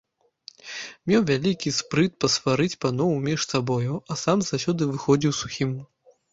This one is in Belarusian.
Меў вялікі спрыт пасварыць паноў між сабою, а сам заўсёды выходзіў сухім.